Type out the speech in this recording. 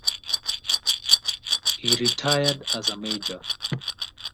He retired as a Major.